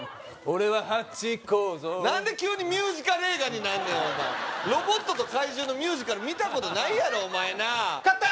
俺はハチ公像何で急にミュージカル映画になんねんお前ロボットと怪獣のミュージカル見たことないやろお前なあ勝った！